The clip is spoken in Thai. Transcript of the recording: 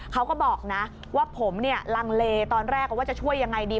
เขาก็บอกนะว่าผมลังเลตอนแรกว่าจะช่วยอย่างไรดี